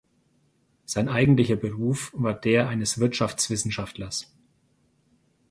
Sein eigentlicher Beruf war der eines Wirtschaftswissenschaftlers.